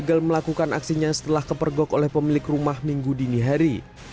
gagal melakukan aksinya setelah kepergok oleh pemilik rumah minggu dini hari